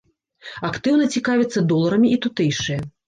Актыўна цікавяцца доларамі і тутэйшыя.